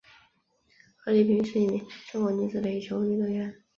何丽萍是一名中国女子垒球运动员。